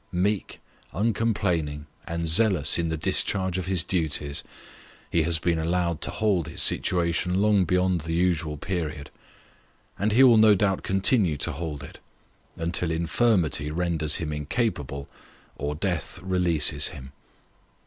Meek, uncomplaining, and zealous in the discharge of his duties, he has been allowed to hold his situation long beyond the usual period ; and he will no doubt continue to hold it, until infirmity renders him incapable, or death releases him.